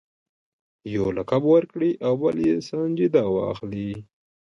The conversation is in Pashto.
یو لقب ورکړي او بل یې سنجیده واخلي.